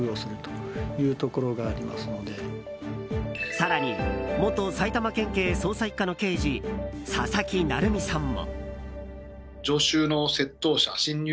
更に元埼玉県警捜査１課の刑事佐々木成三さんも。